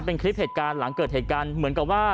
เป็นคลิปเหตุการณ์หลังเกิดเหตุการณ์เหมือนกับว่า